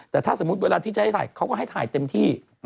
แต่ถ้าสมมุติเวลาที่จะให้ถ่ายเขาก็ให้ถ่ายเต็มที่